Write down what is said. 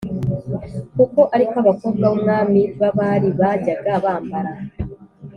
kuko ari ko abakobwa b’umwami b’abari bajyaga bambara.